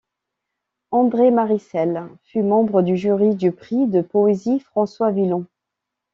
André Marissel fut membre du jury du prix de poésie François-Villon.